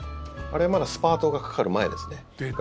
あれ、まだスパートがかかる前ですね。